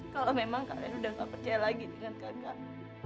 kalau memang kalian udah gak percaya lagi dengan kakak